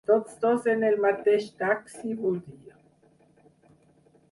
Tots dos en el mateix taxi, vull dir.